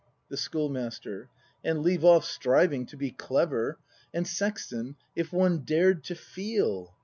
The Schoolmaster. And leave off striving to be clever; And, Sexton, if one dared to feel!